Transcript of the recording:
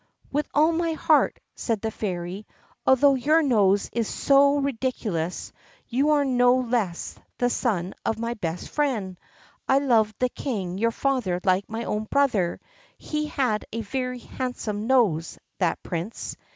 "With all my heart," said the Fairy; "although your nose is so ridiculous, you are no less the son of my best friend. I loved the King your father like my own brother; he had a very handsome nose, that Prince!"